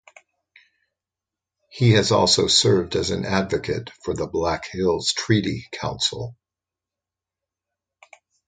He has also served as an advocate for the Black Hills Treaty Council.